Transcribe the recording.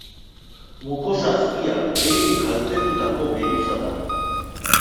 Mukosa-azpia gehien kaltetutako geruza da.